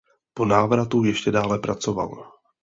Po návratu ještě dále pracoval.